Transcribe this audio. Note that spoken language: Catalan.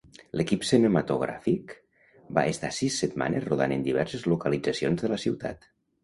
L'equip cinematogràfic va estar sis setmanes rodant en diverses localitzacions de la ciutat.